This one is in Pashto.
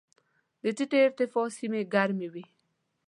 د ټیټې ارتفاع سیمې ګرمې وي.